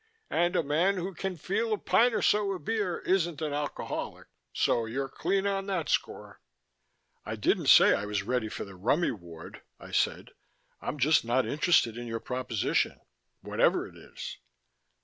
And a man who can feel a pint or so of beer isn't an alcoholic so you're clean on that score." "I didn't say I was ready for the rummy ward," I said. "I'm just not interested in your proposition whatever it is."